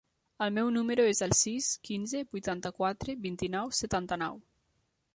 El meu número es el sis, quinze, vuitanta-quatre, vint-i-nou, setanta-nou.